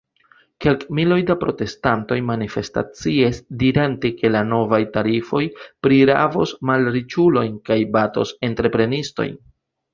Kelkmiloj da protestantoj manifestaciis, dirante, ke la novaj tarifoj prirabos malriĉulojn kaj batos entreprenistojn.